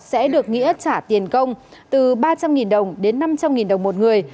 sẽ được nghĩa trả tiền công từ ba trăm linh đồng đến năm trăm linh đồng một người